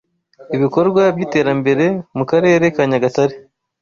ibikorwa by’iterambere mu Karere ka Nyagatare